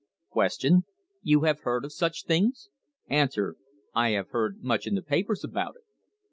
Q. You have heard of such things ? A . I have heard much in the papers about it.